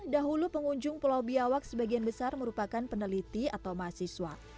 dahulu pengunjung pulau biawak sebagian besar merupakan peneliti atau mahasiswa